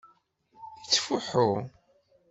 Yettfuḥu.